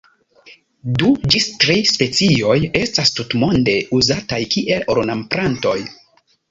Du ĝis tri specioj estas tutmonde uzataj kiel ornamplantoj.